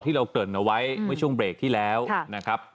เราเกริ่นเอาไว้เมื่อช่วงเบรกที่แล้วนะครับ